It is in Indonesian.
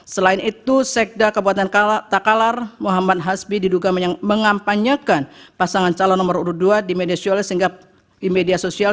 selain itu sekda kabupaten takalar muhammad hasbi diduga mengampanyakan pasangan calon nomor kedua di media sosial